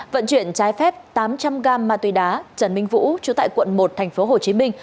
vận chuyển trái phép tám trăm linh gam ma tuy đá trần minh vũ chủ tại quận một tp hcm